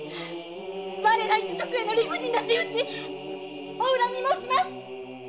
我ら一族への理不尽な仕打ちお恨み申します。